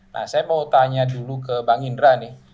nah saya mau tanya dulu ke bang indra nih